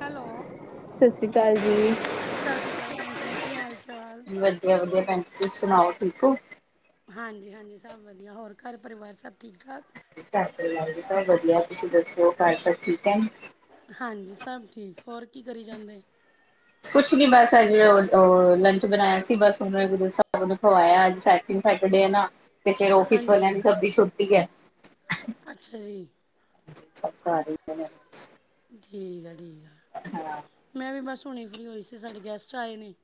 Hello ਸਤਿ ਸ਼੍ਰੀ ਅਕਾਲ ਜੀ। ਸਤਿ ਸ਼੍ਰੀ ਅਕਾਲ ਭੈਣ ਜੀ ਕੀ ਹਾਲ ਚਾਲ ਹਾਂਜੀ ਤੁਸੀ ਸੁਣਾਓ ਠੀਕ ਹੋ ਹਾਂਜੀ ਹਾਂਜੀ ਸਭ ਵਧੀਆ ਹੋਰ ਘਰ ਪਰਿਵਾਰ ਸਭ ਠੀਕ ਠਾਕ ਧ ਪਰਵਾਰ ਜੀ ਸਭ ਵਧੀਆ ਤੁਸੀਂ ਦੱਸਿਓ ਘਰ ਘ ਠੀਕ ਹੈ ਹਾਂਜੀ ਸਭ ਠੀਕ ਹੋਰ ਕੀ ਕਰੀ ਜਾਂਦੇ ਕੁਛ ਨੀ ਬਸ ਅੱਜ ਲੰਚ ਬਣਾਇਆ ਸੀ ਬ ਗੁਰੂਹਿਬਵਾਆ ਸੈਟਰਡੇ ਨਾ ਤੇ ਫੇਿਰ ਫਿਸ ਹਾਂਜੀ ਵਾਲਿਆਂ ਹਾਂਜੀ ਨੂੰ ਸਭ ਦੀ ਛੁੱਟੀ ਹੈ ਅੱਛਾ ਜੀ ਸਭ [unintelligible] ਠੀਕ ਹੈ ਹਾਂ ਠੀਕ ਮੈਂ ਵੀ ਬਸ ਝੋਣੀ ਫਰੀ ਹੋਈ ਸੀ ਸਾਡੇ ਗੈਸਟ ਆਏ ਨੇ [unintelligible]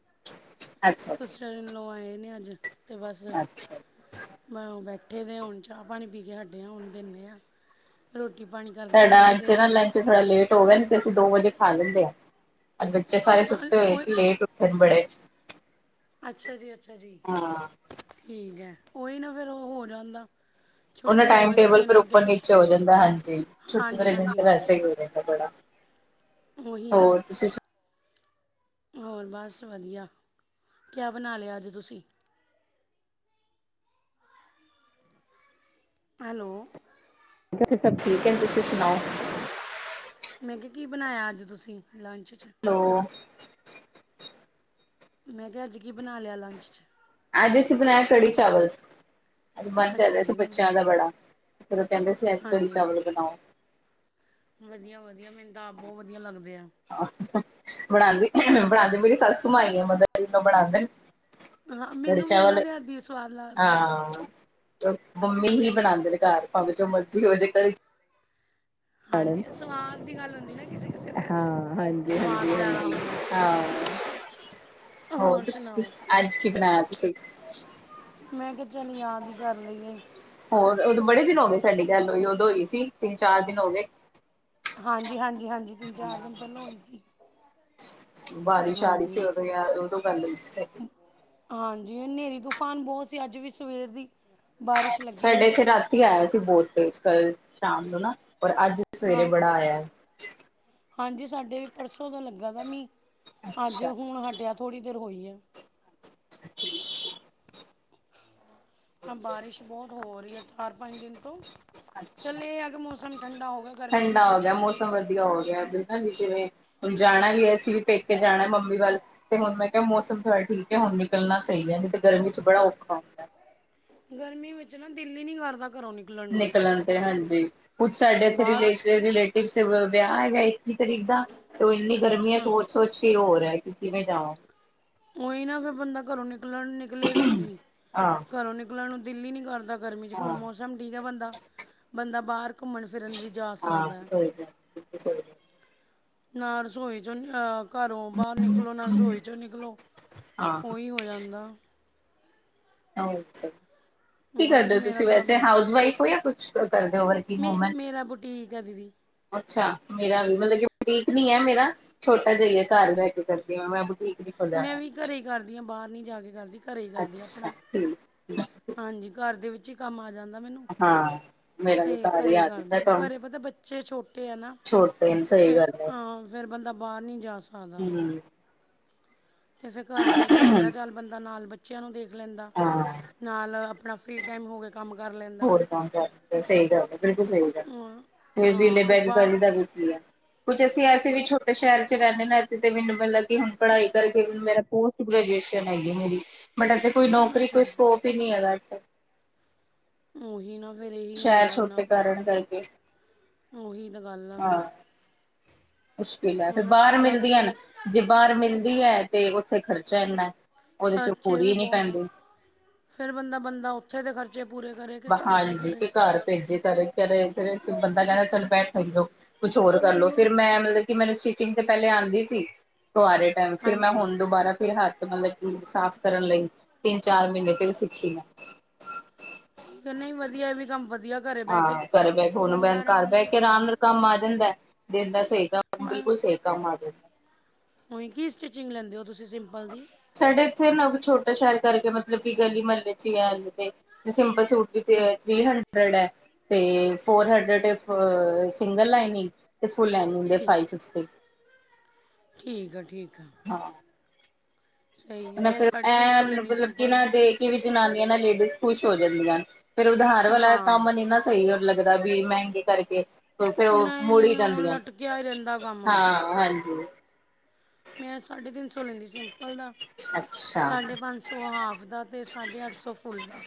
ਅੱਛਾ ਅੱਛਾ ਅੱਜ ਅਤੇ ਬਸ ਅੱਛਾ। ਮੈਂ ਬੈਠ ਇਕੱਠੇ ਦੇ ਹੋਣ ਚਾਹ ਪਾਣੀ ਪੀ ਕੇ ਹੱਡੇ ਹੋਣ ਦਿੰਦੇ ਹਾਂ ਰੋ ਸਾਡਾ ਅੱਜ ਨਾ ਲੰਚ ਥੋੜਾ ਲੇਟ ਹੋਵਨ ਤੇ ਅਸੀਂ ਦੋ ਵਜੇ ਖਾ ਲੈਂਦੇ ਹਾਂ। ਅੱਜ ਬੱਚੇ ਸਾਰੇ ਹਾਂ ਸੁੱਤੇ ਹੋਏ ਉਹੀ ਸੀ। ਲੇਟ ਉੱਠਣ ਬੜੇ। ਅੱਛਾ ਜੀ- ਅੱਛਾ ਜੀ। ਹਾਂ ਠੀਕ ਹੈ। ਉਹੀ ਨਾ ਫਿਰ ਉਹ ਹੋ ਜਾਂਦਾ। ਓਨਾ ਛੁੱਟੀ ਟਾਈਮ ਹੋਵੇ ਤਾਂ -ਟੇਬਲ ਦਿਨ ਅੱਗੇ ਉੱਪਰ ਪਿੱਛੇ -ਨੀਚੇ ਹੋ ਜਾਂਦਾ। ਹਾਂਜੀ, ਛੁੱਟੀ ਹਾਂਜੀ ਵਾਲੇ ਦਿਨ ਹਾਂਜੀ ਤਾਂ ਹਾਂਜੀ ਵੈਸੇ ਹੀ ਹੋ ਜਾਂਦਾ ਬੜਾ। ਉਹੀ ਨਾ ਹੋਰ, ਤੁਸੀਂ ਹੋਰ ਬਸ ਵਧੀਆ। ਕਿਆ ਬਣਾ ਲਿਆ ਅੱਜ ਤੁਸੀਂ? ਹੈਲੋ। ਸਭ ਠੀਕ ਹੈ। ਤੁਸੀਂ ਸੁਣਾਓ। ਮੈਂ ਕਿਹਾ ਕਿ ਬਣਾਇਆ ਅੱਜ ਤੁਸੀਂ। ਲੰਚ 'ਚ ਹੈਲੋ ਮੈਂ ਕਿਹਾ ਅੱਜ ਕਿ ਬਣਾ ਲਿਆ ਲੰਚ ਚ ਅੱਜ ਅਸੀ ਬਣਾਇਆ ਕੜ੍ਹੀ- ਚਾਵਲ। ਅੱਜ ਮਨ ਕਰ ਅੱਛਾ ਰਿਹਾ ਸੀ ਜੀ ਹਾਂਜੀ ਬੱਚਿਆਂ ਦਾ ਬੜਾ। ਫਿਰ ਕਹਿੰਦੇ ਸੀ, ਅੱਜ ਕੜ੍ਹੀ -ਚਾਵਲ ਬਣਾਓ। ਵਧੀਆ-ਵਧੀਆ ਮੈਨੂੰ ਤਾਂ ਆਪ ਬਹੁਤ ਵਧੀਆ ਲੱਗਦੇ ਆ ਬਣਾਦੀ ਬਣਾਉਂਦੇ ਮੇਰੀ ਸੱਸੂ ਮਾ ਈ ਐ, ਮਤਲਬ ਜਦੋ ਬਣਾਉਂਦੇ ਨੇ। ਹਾ, ਕੜੀ ਮੈਨੂੰ ਵੀ ਉਹਨਾਂ ਚਾਵਲ ਦੇ ਹੱਥ ਦੀ ਹੀ ਸਵਾਦ ਲੱਗਦੀ ਹੈ। ਹਾਂ ਮੰਮੀ ਹੀ ਬਣਾਉਂਦੇ ਨੇ ਘਰ ਭਾਵੇਂ, ਜੋ ਮਰਜ਼ੀ ਹੋ ਜੇ ਘਰ ਕੜ੍ਹੀ -ਚਾਵ- ਹਾਂਜੀ, ਸਵਾਦ ਦੀ ਗੱਲ ਹੁੰਦੀ ਨਾ। ਕਿਸੇ- ਕਿਸੇ ਦੇ ਹੱਥ ਚ, ਹਾਂਜੀ ਸਵਾਦ ਹਾਂਜੀ ਜਿਆਦਾ ਹਾਂਜੀ ਹੁੰਦਾ। ਹਾਂ ਹੋਰ ਤੁਸੀਂ ਸੁਣਾਓ, ਅੱਜ ਕੀ ਬਣਾਇਆ ਤੁਸੀਂ? ਮੈਂ ਕਿਹਾ ਚੱਲ ਯਾਦ ਹੀ ਕਰ ਲਈਏ। ਹੋਰ ਉਦੋਂ ਬੜੇ ਦਿਨ ਹੋ ਗਏ ਸਾਡੀ ਗੱਲ ਹੋਈ, ਉਦੋਂ ਹੋਈ ਸੀ ਤਿੰਨ -ਚਾਰ ਦਿਨ ਹੋ ਗਏ। ਹਾਂਜੀ-ਹਾਂਜੀ- ਹਾਂਜੀ। ਤਿੰਨ-ਚਾਰ ਦਿਨ ਪਹਿਲਾਂ ਹੋਈ ਸੀ। ਬਾਰੀਸ਼ ਆ ਰੀ ਸੀ ਹਾਂਜੀ ਉਹਦੋਂ ਯਾਰ, ਉਦੋਂ ਹੱਲ [unintelligible] ਹਾਂਜੀ, ਹਨੇਰੀ-ਤੂਫਾਨ ਬਹੁਤ ਸੀ, ਅੱਜ ਵੀ ਸਵੇਰ ਦੀ। ਬਾਰਿਸ਼ ਲੱਗੀ ਸਾਡੇ ਹੋਈ ਇੱਥੇ ਸੀਗੀ ਰਾਤੀ ਆਇਆ ਸੀ ਬੋਟ ਤੇ ਅਜ, ਕੱਲ। ਸ਼ਾਮ ਨੂੰ ਨਾ ਔਰ ਅੱਜ ਸਵੇਰੇ ਹਾਂ, ਬੜਾ ਆਇਆ। ਹਾਂਜੀ! ਸਾਡੇ ਵੀ ਪਰਸੋਂ ਦਾ ਲੱਗਾ ਥਾ ਮੀਹ, ਅੱਜ ਅੱਛਾ, ਹੁਣ ਹਟਿਆ ਥੋੜੀ ਦੇਰ ਹੋਈ ਹੈ। ਠੀਕ ਆ ਹਾਂ, ਬਾਰਿਸ਼ ਬਹੁਤ ਹੋ ਰਹੀ। ਚਾਰ ਪੰਜ ਦਿਨ ਤੋ ਅੱਛਾ। ਚੱਲ ਇਹ ਐ ਕਿ ਮੌਸਮ ਠੰਡਾ ਹੋ ਗਿਆ, ਗਰਮੀ ਵੀ ਬਹੁਤ ਪੈ ਰਹੀ ਸੀ। ਜੀ ਜਿਵੇਂ ਹੁਣ ਜਾਣਾ ਵੀ ਅਸੀਂ ਵੀ ਪੇਕੇ ਜਾਣਾ ਮੰਮੀ ਵੱਲ ਤੇ ਹੁਣ ਮੈਂ ਕਿਹਾ ਮੌਸਮ ਥੋੜ੍ਹਾ ਠੀਕ ਹੈ ਹੁਣ ਨਿਕਲਣਾ ਸਹੀ ਹੈ, ਤੇ ਗਰਮੀ ਚ ਬੜਾ ਔਖਾ ਹੁੰਦਾ। ਗਰਮੀ ਵਿੱਚ ਨਾ ਦਿਲ ਈ ਨੀ ਕਰਦਾ। ਘਰੋਂ ਨੂੰ ਨਿਕਲਣ ਤੇ ਹਾਂਜੀ ਕੁਝ ਸਾਡੇ ਇਥੇ ਬਾਹਰ ਰਿਲੇਟ ਰਿਲੇਟਿਵਜ਼ ਤੇ ਮਿਲਦੇ ਆਂ ਆਏ ਹਾਏ। ਤਰੀਦਾ ਤੇ ਇੰਨੀ ਗਰਮੀ ਹੈ ਹਾਂ ਸੋਚ- ਸੋਚ ਕੀ ਹੋ ਰਿਹਾ। ਕਿਵੇਂ ਜਾਵਾਂ? ਉਹੀ ਨਾ ਫਿਰ ਬੰਦਾ ਘਰੋਂ ਨਿਕ ਨਿਕਲਣ ਨਿਕਲੇ ਵੀ ਕੀ ਆਹ ਘਰੋਂ ਨਿਕਲਣ ਨੂੰ ਦਿੱਲ ਈ ਨੀ ਕਰਦਾ। ਗਰਮੀ ਚ ਹੁਣ ਹਾਂ ਮੌਸਮ ਠੀਕ ਹੈ ਬੰਦਾ ਬੰਦਾ ਬਾਹਰ ਘੁੰਮਣ ਫਿਰਨ ਵੀ ਜਾ ਸਕਦਾ ਹਾਂ ਹੈ ਸਹੀ ਗੱਲ ਐ ਸਹੀ ਨਾ ਰਸੋਈ ਚ ਅਹ ਘਰੋਂ ਬਾਹਰ ਨਿਕਲੋ ਨਾ ਰਸੋਈ ਚੋ ਨਿਕਲੋ ਹਾਂ ਉਹੀ ਹੋ ਜਾਂਦਾ। ਅੱਛਾ, ਕੀ ਉਹੀ ਕਰਦੇ ਨਾ ਹੋ ਮੇਰਾ ਤੁਸੀਂ ਤਾਂ ਵੈਸੇ ਫਿਰ ਹਾਊਸ ਵਾਈਫ ਹੋ ਜਾਂ ਕੋਈ ਅੱਛਾ ਮੇ ਮੇਰਾ ਬੁਟੀਕ ਹੈ ਦੀਦੀ। ਅੱਛਾ ਮੇਰਾ ਵੀ ਮਤਲਬ ਕਿ ਬੁਟੀਕ ਨੀ ਐ ਮੇਰਾ ਛੋਟਾ ਜਿਹਾ ਘਰ ਬਹਿ ਕੇ ਕਰਦੀ ਆ ਮੈਂ ਬੁਟੀਕ ਨੀ ਮੈਂ ਖੋਲਿਆ ਵੀ ਘਰੇ ਕਰਦੀ ਹਾਂ ਬਾਹਰ ਨੀ ਜਾ ਕੇ ਕਰਦੀ। ਘਰੇ ਕਰਦੀ ਅੱਛਾ ਆਪਣਾ ਠੀਕ ਠੀਕ ਹਾਂਜੀ ਘਰ ਦੇ ਵਿੱਚ। ਚ ਕੰਮ ਈ ਆ ਜਾਂਦਾ। ਮੈਨੂੰ ਹਾਂ ਮੇਰਾ ਵੀ ਤੇ ਘਰ ਹੀ ਘਰੇ ਆ ਜਾਂਦਾ ਕਰਦੇ ਕੰਮ ਘਰੇ ਪਤਾ ਬੱਚੇ ਛੋਟੇ ਆ ਨਾ ਛੋਟੇ ਸਹੀ ਫਿਰ ਹਾਂ ਫੇਰ ਬੰਦਾ ਬਾਹਰ ਨਹੀਂ ਜਾ ਸਕ ਹੂੰ। ਤੇ ਫੇਰ ਘਰ ਦੇ ਵਿੱਚ ਹੁੰਦਾ ਚੱਲ ਬੰਦਾ ਨਾਲ ਬੱ ਬੱਚਿਆਂ ਨੂੰ ਦੇਖ ਲੈਂਦਾ ਹਾਂ ਨਾਲ ਆਪ ਆਪਣਾ ਫਰੀ ਟਾਈਮ ਹੋ ਗਿਆ। ਹੋਰ ਕੰਮ ਕਰ ਸਹੀ ਗੱਲ ਐ ਬਿਲਕੁਲ ਸਹੀ ਗੱਲ ਅਮ, ਐ ਫਿਰ ਹਾਂ ਵੇਲੇ ਬਾ ਬੇਦਗੀ ਦਾ ਵੀ ਕੀ ਹੈ ਕੁੱਝ ਅਸੀਂ ਐਸੇ ਵੀ ਉਹ ਛੋਟੇ ਸ਼ਹਿਰ ਤੇ ਰਹਿੰਦੇ ਨੇ ਇ ਮੈਨੂੰ ਮਲਬ ਕਿ ਹੁਣ ਪੜ੍ਹਾਈ ਕਰਕੇ ਮੇਰਾ ਪੋਸਟ ਗ੍ਰੈਜੂਏਸ਼ਨ ਆਈ ਹੈ ਮੇਰੀ ਬਟ ਇੱਥੇ ਕੋਈ ਨੌਕਰੀ ਅੱਛਾ ਕੋਈ ਸਕੋਪ ਹੀ ਨਹੀਂ ਹੈਗਾ। [unintelligible] ਔਹੀ ਨਾ। ਫਿਰ ਇਹੀ ਸ਼ਹਿਰ ਛੋਟੇ ਕਾਰਨ ਕਰਕੇ। ਔਹੀ ਤਾਂ ਗੱਲ ਆ ਫੇਰ। ਹਾਂ ਮੁਸ਼ਕਿਲ ਹੈ ਫਿਰ, ਬਾਹਰ ਮਿਲਦੀਆਂ ਨਾ ਵੀ ਜੇ ਬਾਹਰ ਮਿਲਦੀ ਹੈ ਤੇ। ਤੇ ਖਰਚਾ ਇੰਨਾ। ਉਹਦੇ ਚ ਖਰਚੇ ਵੀ ਪੂਰੀ ਨੀ ਬਹੁਤ ਆ, ਪੈਂਦੀ ਫੇਰ ਬੰਦਾ ਬੰਦਾ ਔਥੇ ਦੇ ਖਰਚੇ। ਪੂਰੇ ਕਰੇ ਕਿ ਮਾ ਘਰ ਦੇ ਹਾਂਜੀ ਕਰੇ ਕੇ ਘਰ ਭੇਜੇ ਕਰੇ ਤੇਰੇ [unintelligible] ਇਸ ਬੰਦਾ ਕਹਿੰਦਾ। ਬੈਠਨ ਦੋ ਕੁਛ ਹੋਰ ਕਰਲੋ, ਫਿਰ ਮੈਂ ਮਤਲਬ ਕਿ ਮੈਨੂੰ ਸਟਿਚਿੰਗ ਤੇ ਪਹਿਲੇ ਆਂਦੀ ਸੀ। ਕਵਾਰੇ ਟਾਈਮ ਫਿਰ ਮੈਂ ਹਾਂਜੀ ਹੁਣ ਦੁਬਾਰਾ ਫਿਰ ਹੱਥ ਤੇ [unintelligible] ਕਿ ਸਾਫ਼ ਕਰਨ ਲਈ, ਤਿੰਨ-ਚਾਰ ਮਹੀਨੇ ਫੇਰ ਸਿੱਖੀ ਮੈਂ। ਠੀਕ ਏ, ਨਹੀਂ ਵਧੀਆ ਇਹ ਵੀ ਕੰਮ ਵਧ ਹਾਂ ਘਰ ਬਹਿ ਕੇ ਹੁਣ ਮੈਂ ਘਰ ਬਹਿ ਨਾਲ ਕੇ ਕਰ ਆਰਾਮ ਨਾਲ ਸਕਦਾ ਕੰਮ ਹੈ ਆ ਜਾਂਦਾ। ਫੇਰ ਬਸ ਸਹੀ ਗੱਲ ਬਿਲਕੁਲ ਸਹੀ ਕੰਮ ਆ ਜਾਂਦਾ। ਓਇ ਕੀ ਸਟਿਚਿੰਗ ਲੈਂਦੇ ਹੋ? ਤੁਸੀਂ ਸਿੰਪਲ ਦੀ ਸਾਡੇ ਇੱਥੇ ਨਾ ਛੋਟੇ। ਛੋਟੇ ਸ਼ੈਰ ਕਰਕੇ ਮਤਲਬ ਕਿ ਗਲੀ ਮਹੱਲੇ ਚ ਹੀ ਅਲੇ ਤੇ। ਦੇਚ ਸੁਟ ਦੀ ਕੀ ਹਾਂ ਹੈ? Three hundred. ਹੰਡਰਡ ਏ ਤੇ ਫੋਰ ਹੰਡਰਡ ਸਿੰਗਲ ਲਾਈਨਿੰਗ। ਤੇ ਫੁੱਲ ਲਾਈਨਗ ਦੇ ਠੀਕ ਫਾਈਫ ਫਿਫਟੀ। ਠੀਕ ਆ ਠੀਕ ਆ। ਸਹੀ ਹੈ ਬੰਦਾ ਮੈਂ ਫਿਰ ਸਾਢੇ ਤਿੰਨ ਸੌ ਐਨ ਲੈਂਦੀ ਮਤਲਬ ਸਿੰਪਲ ਕਿਨਾਂ ਦਾ ਦੇ ਕੇ। ਜਨਾਨੀਆਂ ਨਾ ਲੇਡੀਜ਼ ਖੁਸ਼ ਹੋ ਜਾਂਦੀਆਂ। ਫੇਰ ਉਧਾਰ ਵਾਲਾ ਹਾਂ ਕੰਮ ਨੀ ਨਾ ਸਹੀ ਹੋ ਲੱਗਦਾ ਵੀ ਮੈਂਗੇ ਕਰਕੇ। ਫੇਰ ਔ ਨਹੀਂ ਮੁੜ ਹੀ ਨਹੀਂ ਉਹ ਜਾਂਦੀਆਂ, ਲਟਕਿਆ ਹੀ ਰਹਿੰਦਾ ਕੰਮ ਹਾਂ ਹਾਂਜੀ। ਮੈਂ ਸਾਢੇ ਤਿੰਨ ਤਿੰਨ ਸੌ ਲੈਂਦੀ ਸਿੰਪਲ ਦਾ, ਅੱਛਾ ਸਾਢੇ ਪੰਜ ਸੌ ਹਾਫ ਦਾ, ਤੇ ਸਾਢੇ ਅੱਠ ਸੌ ਫੁੱਲ ਦਾ।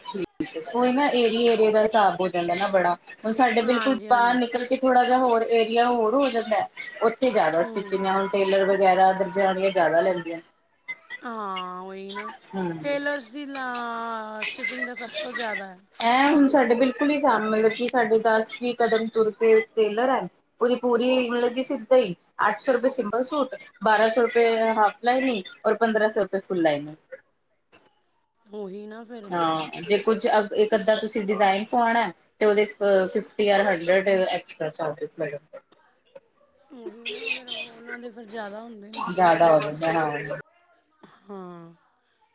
ਕੋਈ ਨਾ ਏਰੀਏ ਏਰੀਏ ਦਾ ਸਾਬ ਹੋ ਜਾਂਦਾ ਨਾ ਬੜਾ। ਹੁਨ ਸਾਡੇ ਬਿਲਕੁਲ ਹਾਂਜੀ ਬਾਹਰ ਹਾਂਜੀ ਨਿਕਲ ਕੇ ਥੋੜਾ। ਹੋਰ ਏਰੀਆ ਹੋਰ ਹੋ ਜਾਂਦਾ ਹੈ, ਹ- ਤੇ ਜ਼ਿਆਦਾ ਹੂੰ ਸਟੀਚਿੰਗ [unintelligible] ਟੇਲਰ- ਵਗੈਰਾ ਦਰਜਾਣੀਆਂ ਜ਼ਿਆਦਾ ਲੈਂ- [inaudible] ਹਾਂ ਹਾਂ, ਉਹੀ ਨਾ ਟੇਲਰਸ ਦੀ ਨਾ ਸਟਿਚਿੰਗ ਤਾ ਸਭ ਤੋਂ ਜ਼ਿਆਦਾ ਹੈ। ਐ ਹੁਣ ਸਾਡੇ ਬਿਲਕੁਲ ਹੀ ਸਾਹਮਣੇ ਮਤਲਬ ਕਿ ਸਾਡੇ ਦਸ, ਵੀ ਕਦਮ ਤੁਰ ਕੇ ਟੇਲਰ ਹੈ, ਉਹਦੀ ਪੂਰੀ ਮਤਲਬ ਕੀ ਸਿੱਧਾ ਹੀ ਅੱਠ ਸੋ ਰੁਪਏ ਸਿੰਪਲ ਸੂਟ, ਬਾਰਾਂ ਸੋ ਰੁਪਏ ਹਾਫ ਲਾਈਨਿੰਗ ਔਰ ਪੰਦਰਾਂ ਸੋ ਰੁਪਏ ਫ- ਫੁੱਲ ਲਾਈਨ- ਉਹੀ ਨਾ ਫਿਰ ਜੇ ਇੱਕ ਅੱਧਾ ਤੁਸੀਂ ਡਿਜ਼ਾਈਨ ਪਾਉਣਾ ਹੇ ਤੇ ਉਹਦੇ ਫ ਫੀਫਟੀ ਯ ਹਨਡਰਡ ਉਹੀ [unintelligible] ਨਾ ਫਿਰ ਉਹਨਾਂ ਦੇ ਫਿਰ ਜ਼ਿਆਦਾ ਹੁੰਦੇ ਨੇ ਜ਼ਿਆਦਾ [unintelligible] ਵਵੇ ਬਣਾ ਹੋ ਹਾਂ,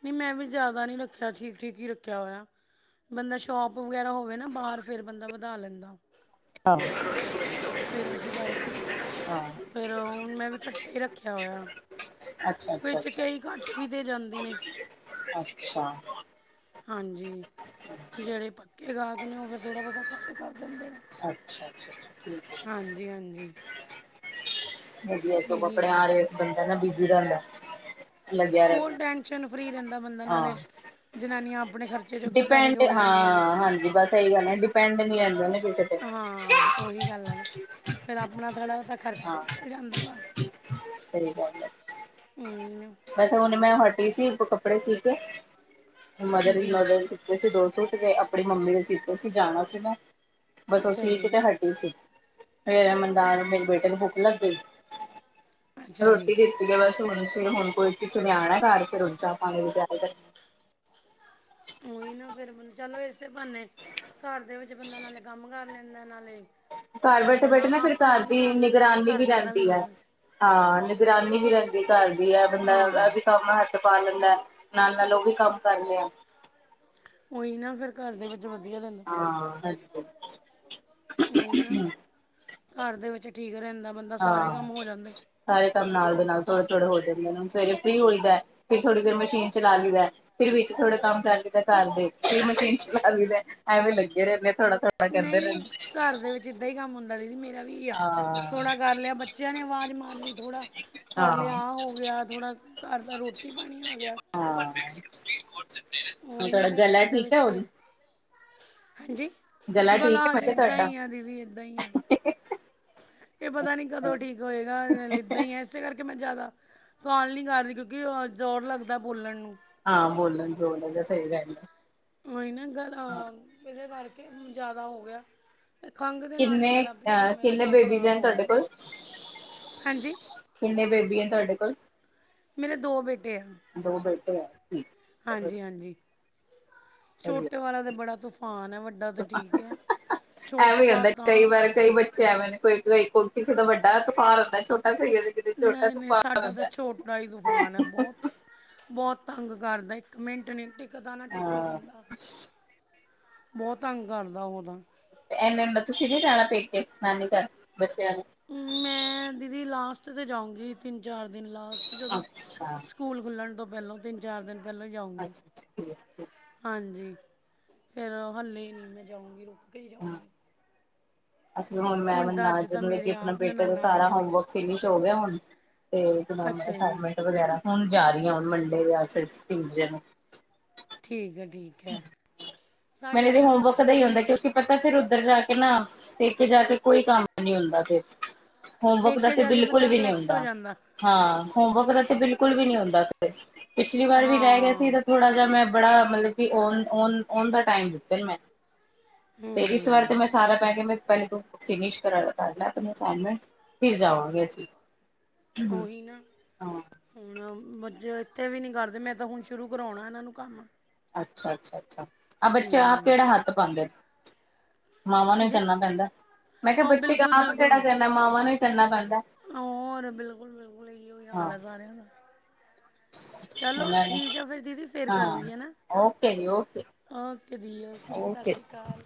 ਨਹੀਂ ਮੈਂ ਵੀ ਜਿਆਦਾ ਨੀ ਰੱਖਿਆ ਠੀਕ- ਠੀਕ ਹੀ ਰੱਖਿਆ ਹੋਇਆ, ਬੰਦਾ ਸ਼ੋਪ ਵਗੈਰਾ ਹੋਵੇ ਨਾ ਬਾਹਰ ਫਿਰ ਬੰਦਾ ਵਧਾ ਲੈਂਦਾ। ਆਹ। ਫਿਰ ਇਸ ਕਰਕੇ, ਹਾਂ ਫਿਰ ਹੁਣ ਮੈਂ ਵੀ ਕੱਟੇ ਹੀ ਰੱਖਿਆ ਹੋਇਆ ਆ, ਅੱਛਾ ਅੱਛਾ ਵਿੱਚ ਅੱਛਾ ਕਈ ਕੱਟ ਵੀ ਦੇ ਜਾਂਦੇ ਨੇ। ਅੱਛਾ ਹਾਂਜੀ ਜਿਹੜੇ ਪੱਕੇ ਗਾਹਕ ਨੇ ਉਹ ਫਿਰ ਥੋੜਾ ਬਹੁਤਾ ਘੱਟ ਕਰ- ਦਿੰਦੇ ਨੇ ਅੱਛਾ- ਅੱਛਾ ਅੱਾ ਠੀਕ ਹਾਂਜੀ ਹਾਂਜੀ ਹੈ। ਵਧੀਆ ਸੋ ਕੱਪੜੇ ਆ ਰਹੇ- [unintelligible] ਬਿਜੀ ਦਾਦਾ ਹੋਰ ਟੈਂਸ਼ਨ ਫਰੀ ਰਹਿੰਦਾ ਬੰਦਾ, ਹਾਂ ਨਾਲੇ ਜਨਾਨੀਆਂ ਆਪਣੇ ਖਰਚੇ ਜੋਗੇ ਪੈਸੇ ਡਿਪੈਂਡ ਜੋੜ ਲੈਂਦੀਆਂ ਨੇ ਹਾਂ ਹਾਂਜੀ ਬਸ ਇਹੀ ਗੱਲ ਹੈ ਡਿਪੈਂਡ ਨਹੀਂ ਰਹਿੰਦਾ ਫੇਰ ਕਿਸੇ ਤੇ। ਫੇਰ ਆਪਣਾ ਥੋੜਾ [unintelligible] ਖਰਚਾ ਹਾਂ ਨਿਕਲ ਜਾਂਦਾ ਵਾ। ਸਹੀ ਬਾਤ ਹੇ। ਹੂੰ। ਵੈਸੇ ਹੁਣ ਮੈਂ- ਫਰੀ ਸੀ ਹੁਣ ਕੱਪੜੇ ਸੀ ਕੇ। [unintelligible] ਮਦਦਰ ਹਾਂਜੀ ਮਦਰਰ ਕਿੇੇ ਦੋਸ ਸੁਟ ਕੇ ਆਪਣੀ ਮੰਮੀ ਦੇ ਸੀਤੇ ਸੀ ਜਾਣਾ ਸੀਗਾ। ਅੱਛਾ ਬਸੋਸੀ ਜੀ ਕਿਤੇ ਹਟੀ ਸੀ। ਫੇ [unintelligible] ਠੀਕ ਹੈ ਮੇਰੇ ਬੇਟੇ ਨੂੰ ਭੁੱਕ ਲੱਗੀ। ਹੂੰ। ਅੱਛਾ ਜੀ ਰੋਟੀ ਕੀਤੀ ਹੈ ਬਸ ਹੁਣ, ਫੇਰ ਹੁਣ। ਸੁਣਿਆਣਾ ਘਰ ਫਿਰ'ਚਾ ਪ [unintelligible] ਆ ਉਹੀ ਨਾ ਫੇਰ ਚਲੋ, ਇਸੇ ਬੰਨੇ ਘਰ ਦੇ ਵਿੱਚ ਬੰਦਾ ਨਾਲੇ ਕੰਮ ਕਰ ਲੈਂਦਾ ਨਾਲੇ ਘਰ ਬੈਠੇ- ਬੈਠੇ ਆਪਣਾ ਨਾ ਫਿਰ ਆਪਣਾ ਘਰ ਵੀ ਦੀ, ਕਰ ਲੈਂਦਾ ਫਿਰ ਨਿਗਰਾਨੀ ਵੀ ਘਰਦਿਆਂ ਦਾ ਰਖਦੀ ਹੋ ਹੈ, ਜਾਂਦਾ ਹਾਂ ਨਿਗਰਾਨੀ ਵੀ ਰਹਿਂੰਦੀ ਕਰਦੀ ਹੈ ਬੰਦਾ ਹਾਂ ਇਹ ਵੀ ਕੰਮ ਹੱਥ ਪਾ ਲੈਂਦਾ, ਨਾਲ- ਨਾਲ ਉਹ ਵੀ ਕੰਮ ਕਰਨੇ ਆ। ਉਹੀ ਨਾ ਫ਼ਿਰ ਘਰ ਦੇ ਵਧੀਆ ਦਿੰਦਾ ਹਾਂ ਉਹੀ ਨਾ। ਘਰ ਦੇ ਵਿੱਚ ਠੀਕ ਰਹਿੰਦਾ। ਬੰਦਾ ਸਾਰੇ ਹਾਂ, ਕੰਮ ਹੋ ਜਾਂਦੇ ਸਾਰੇ ਕੰਮ ਨਾਲ ਦੇ ਨਾਲ ਥੋੜੇ ਥੋੜੇ ਜਾਂਦੇ ਨੇ, ਸਵੇਰੇ ਫ੍ਰੀ ਹੋਈਦਾ ਫਿਰ ਥੋੜੀ ਦੇਰ ਮਸ਼ੀਨ'ਚ ਲਲਾ ਲਈਦਾ ਫਿਰ, ਵਿੱਚ ਥੋੜਾ ਕੰਮ ਕਰ ਲਈਦਾ, ਘਰ ਫਿਰ ਮਸ਼ੀਨ ਚਲਾ ਲਈਦਾ ਐਵੇਂ ਲੱਗੇ ਰਹਿੰਦੇ ਥਾਣਾ ਸਣਾ ਕਹਿੰਦੇ ਨਹੀਂ ਨਹੀਂ ਰਹਿੰਦੇ ਘਰ ਦੇ ਵਿੱਚ ਇਦਾਂ ਹੀ ਕੰਮ ਹੁੰਦਾ ਦੀਦੀ ਮੇਰਾ ਵੀ ਆ, ਹਾਂ ਥੋੜ੍ਹਾ ਕਰ ਲਿਆ ਬੱਚਿਆਂ ਨੇ ਆਵਾਜ਼ ਮਾਰ ਲਈ, ਥੋੜਾ ਕਰ ਲਿਆ ਹਾਂ ਆ ਹੋ ਗਿਆ, ਥੋੜ੍ਹਾ ਘਰ ਦਾ ਰੋਟੀ ਪਾਣੀ ਆ ਗਿਆ ਸੁਮਕਟ [unintelligible] ਹ ਉਹੀ ਨਾ ਥੋੜਾ ਫਿਰ ਗਲਾ ਘਰ ਦੇ ਠੀਕ ਵਿੱਚ ਹੈ ਤੇ ਹੁਣ? ਹਾਂਜੀ ਠੀਕ ਹੈ ਗਲਾ ਮੈਂ ਹਜੇ ਕਿਹਾ ਇੱਦਾਂ ਤੁਹਾਡਾ ਹੀ ਆ ਦੀਦੀ, ਇੱਦਾਂ ਹੀ ਆ ਇਹ ਪਤਾ ਨਹੀਂ ਕਦੋਂ ਠੀਕ ਹੋਏਗਾ, ਇੱਦਾਂ ਹੀ ਆ ਇਸੇ ਕਰਕੇ ਮੈਂ ਜ਼ਿਆਦਾ ਸਵਾਲ ਨੀ ਕਰ ਰਹੀ, ਕਿਉਂਕਿ ਜ਼ੋਰ ਲੱਗਦਾ ਬੋਲਣ ਨੂੰ। ਹਾਂ, ਬੋਲਣ ਬੋਲ ਤਾਂ ਸਹੀ ਗੱਲ ਹੀ, ਨਾ ਹੈ ਗ, ਇਹਦੇ ਕਰਕੇ ਜ਼ਿਆਦਾ ਹੋ ਗਿਆ। ਖੰਘ ਦੇ ਨਾਲ ਹੀ ਕਿੰਨੇ ਗਲਾ ਪਿੱਛੋਂ ਅ ਮੇਰਾ ਕਿੰਨੇ ਇੱਦਾਂ ਬੇਬੀਜ਼ ਖ਼ਰਾਬ ਹੋ ਤੁਹਾਡੇ ਗਿਆ ਕੋਲ? ਹਾਂਜੀ ਕਿੰਨੇ ਬੇਬੀ ਹੈ ਤੁਹਾਡੇ ਕੋਲ? ਮੇਰੇ ਦੋ ਬੇਟੇ ਆ। ਦੋ ਬੇਟੇ ਹੈ ਠੀਕ ਹਾਂਜੀ, ਹਾਂਜੀ। ਛੋਟੇ ਵਾਲਾ ਤਾਂ ਬੜਾ ਤੂਫਾਨ ਹੈ, ਵੱਡਾ ਤਾਂ ਠੀਕ ਹੈ। ਐਵੇਂ ਛੋਟਾ ਹੁੰਦਾ ਕਈ ਤਾਂ ਵਾਰ ਕਈ ਬੱਚੇ ਐਵੇਂ ਨੇ ਕੋਈ ਕੋਈ ਕਿਸੇ ਦਾ ਵੱਡਾ ਤੁਫ਼ਾਨ ਹੂਦਾ, ਛੋ ਨਹੀਂ, ਨਹੀਂ ਸਾਡਾ ਤਾਂ ਛੋਟਾ ਹੀ ਤੂਫ਼ਾਨ ਹੈ, ਬਹੁਤ ਬਹੁਤ ਤੰਗ ਕਰਦਾ ਇੱਕ ਮਿੰਟ ਨੀ ਟਿ ਗਦਾ ਨ, ਟਿਕਨ ਹਾਂ ਦਿੰਦਾ। ਬਹੁਤ ਤੰਗ ਕਰਦਾ ਉਹ ਤਾਂ। ਇਹੇਨੇ ਤੁਸੀ‌ ਨੀ ਜਾਣਾ ਪੇਕੇ, ਨਾਨੀ ਘਰ? ਬੱਚਿਆਂ ਨੂੰ ਹੂੰ, ਮੈਂ ਦੀਦੀ ਲਾਸਟ ਥ ਤੇ, ਜਾਊਂਗੀ ਤਿੰਨ- ਚਾਰ ਦਿਨ ਲਾ ਜਦੋਂ ਅੱਛਾ ਸਕੂਲ ਖੁੱਲਣ ਤੋਂ। ਪਹਿਲਾਂ ਤਿੰਨ-ਚਾਰ ਦਿਨ ਪਹਿਲੋਂ ਅੱਛਾ ਜਾਊਂਗੀ। ਅੱਛਾ ਠੀਕ ਠੀਕ ਹਾਂਜੀ। ਫੇਰ ਹੱਲੇ ਨੀ ਮੈਂ ਜਾਊਂਗੀ ਰੁਕ ਹਾਂ ਜਾਗੀ ਅਸੀਂ ਵੀ ਹੁਣ ਮੈ ਤਾਂ ਜ ਮੇਰੇ ਆਪਣਾ ਆਪ ਬੇਟੇ ਦਾ ਨਨਾਣਾਂ ਸਾਰਾ ਆਈਆਂ ਹੋਮ ਨੇ ਵਰਕ ਫਿਨਿਸ਼ ਹੋ ਗਿਆ ਹੁਣ ਤੇ ਅੱਛਾ ਜੀ ਅਸਾਈਨਮੈਂਟ ਵਗੈਰਾ ਹੁਣ ਜਾ ਰਹੀ ਆ। ਮੱਡੇ ਜਾਂ ਫਿਰ ਟੁਇਜਡੇ, ਠੀਕ ਹੈ ਜੀ, ਠੀਕ ਹੈ, ਮੈਨੂੰ ਸਾਡਿਆਂ ਇਹਦੇ ਨੇ ਤਾਂ ਹਾਲੇ ਹੋਮਵਰਕ ਦਾ ਸ਼ੁਰੂ ਹੀ ਵੀ ਹੁੰਦਾ ਨਹੀਂ ਕਿਉਕਿ ਕੀਤਾ ਫਿਰ ਉੱਧਰ ਜਾ ਕੇ, ਨਾ ਪੇਕੇ ਜਾ ਕੇ ਕੋਈ ਕੰਮ ਨੀ ਹੁੰਦਾ ਫਿਰ ਹੋਮਵਰਕ ਦਾ ਪੇਕੇ ਤੇ ਜਾ ਕੇ ਬਿਲਕੁਲ ਬੰਦਾ ਵੀ ਨੀ ਰਿਲੈਕਸ ਹੋ ਹੁੰਦਾ ਜਾਂਦਾ ਹਾਂ ਹੋਮਵਰਕ ਦਾ ਤੇ ਬਿਲਕੁਲ ਵੀ ਨਹੀਂ ਹੁੰਦਾ। ਆ, ਪਿਛਲੀ ਵਾਰ ਵੀ ਲੈ ਗਿਆ ਸੀ ਹਾਂ ਤਾਂ ਥੋੜਾ ਜਿਹਾ ਮੈਂ, ਬੜਾ ਮਤਲਬ ਕਿ ਔਨ ਔਨ ਔਨ ਦਾ, ਟਾਈਮ ਦਿੱਤੇ ਨੇ ਮੈਂ, ਤੇ ਇਸ ਵਾਰ ਹੂੰ ਤੇ ਮੈਂ ਸਾਰਾ ਪੇਗੇ ਮੈਂ, ਫਿਨਸ ਕਰਲਾ ਆਪਨੀ ਅਸਾਈਨਮੈਂਟਸ ਫਿਰ ਜਾਵਾਂਗੇ ਅਸੀਂ, ਹੂੰ, ਉਹੀ ਨਾ ਹਾਂ, ਹੁਣ ਬੱਚੇ ਔ ਇਥੇ ਵੀ ਨੀ ਕਰਦੇ ਮੈਂ ਤਾਂ ਹੁਣ ਸ਼ੁਰੂ ਕਰਵਾਣਾ ਇਹਨਾਂ ਨੂੰ ਕੰਮ ਅੱਛਾ-ਅੱਛਾ, ਆਹ ਬੱਚੇ ਆਪ ਹੂੰ ਕਿਹੜਾ ਹੱਥ ਪਾਦੇ ਨੇ, ਮਾਵਾਂ ਨੂੰ ਹੀ ਹਾਂਜੀ ਕਰਨਾ ਪੈਂਦਾ ਮੈਂ ਕਿਹਾ ਹਾਂ ਬੱਚੇ ਬਿਲਕੁਲ ਆਪ ਬਿਲਕੁਲ ਕਿਹੜਾ ਕਰਨਾ ਦੇ ਮਾਵਾਂ ਨੂੰ ਹੀ ਕਰਨਾ ਪੈਂਦਾ ਹੋਰ ਬਿਲਕੁਲ ਬਿਲਕੁਲ ਇਹੀ ਹਾਂ। ਹਾਲ ਹੈ ਸਾਰਿਆਂ ਦਾ ਚਲੋ ਉਹਨਾਂ ਨੇ ਠੀਕ ਆ ਫਿਰ ਦੀਦੀ ਫਿਰ ਹਾਂ, ਕਰੂਗੀ ਹਨਾ ਓਕੇ ਜੀ ਓਕੇ, ਓਕੇ ਦੀ ਓਕੇ ਸਤਿ ਸ਼੍ਰੀ ਅਕਾਲ,